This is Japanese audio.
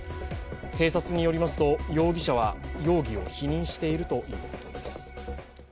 警察によりますと容疑者は容疑を否認しているということです。